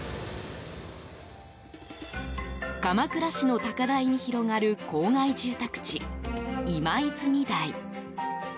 鎌倉市の高台に広がる郊外住宅地、今泉台。